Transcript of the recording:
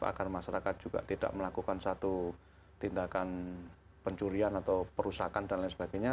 agar masyarakat juga tidak melakukan satu tindakan pencurian atau perusakan dan lain sebagainya